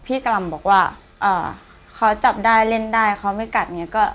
พี่กะล่ำบอกว่าเขาจับได้เล่นได้เขาไม่กัด